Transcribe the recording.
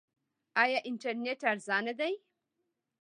آیا انټرنیټ ارزانه دی؟